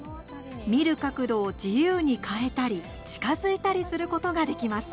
見る角度を自由に変えたり近づいたりすることができます。